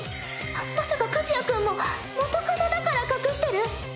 はっまさか和也君も元カノだから隠してる？